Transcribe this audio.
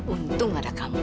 untung ada kamu